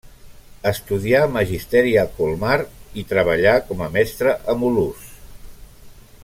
Estudià magisteri a Colmar i treballà com a mestre a Mulhouse.